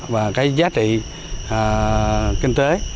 và cái giá trị kinh tế